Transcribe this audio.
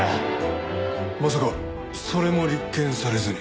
まさかそれも立件されずに？